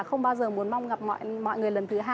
không bao giờ muốn mong gặp mọi người lần thứ hai